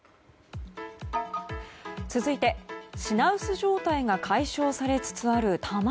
続いて、品薄状態が解消されつつある卵。